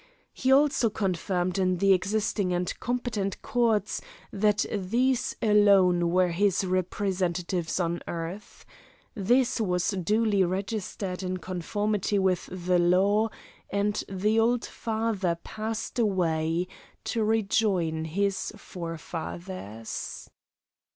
He also confirmed in the existing and competent courts that these alone were his representatives on earth. This was duly registered in conformity with the law, and the old father passed away to rejoin his forefathers.